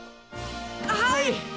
はい！